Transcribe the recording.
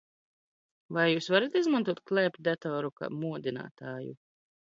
Vai jūs varat izmantot klēpjdatoru kā modinātāju?